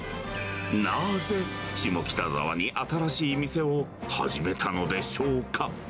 なぜ下北沢に新しい店を始めたのでしょうか？